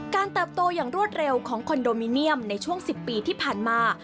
เติบโตอย่างรวดเร็วของคอนโดมิเนียมในช่วง๑๐ปีที่ผ่านมา